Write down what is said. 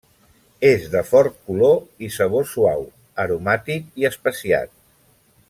És de fort color i sabor suau, aromàtic i especiat.